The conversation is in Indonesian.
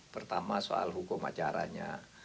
pertama soal hukum acaranya